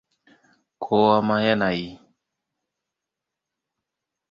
Kowa ma yana yi.